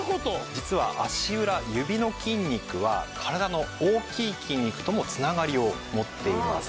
実は足裏指の筋肉は体の大きい筋肉ともつながりを持っています。